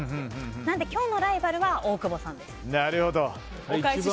なので今日のライバルは大久保さんです。